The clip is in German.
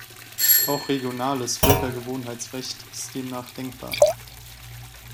Auch regionales Völkergewohnheitsrecht ist demnach denkbar.